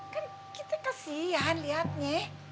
kan kita kesian lihatnya